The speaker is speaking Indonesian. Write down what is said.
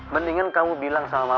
mendingan kamu bilang selamat malam